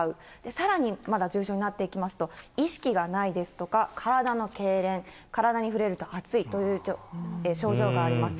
さらにまた重症になっていきますと、意識がないですとか、体のけいれん、体に触れると熱いという症状があります。